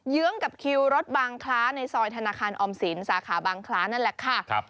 ื้องกับคิวรถบางคล้าในซอยธนาคารออมสินสาขาบางคล้านั่นแหละค่ะ